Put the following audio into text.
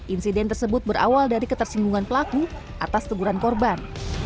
insiden tersebut berawal dari ketersinggungan pelaku atas teguran korban